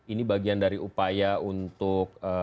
ini bagian dari upaya untuk